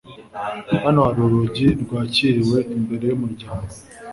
Hano hari urugi rwakiriwe imbere yumuryango.